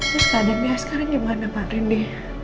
terus tadi dia sekarang gimana pak rindy